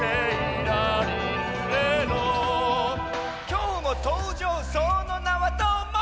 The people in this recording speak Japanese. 「今日も登場その名はどーも」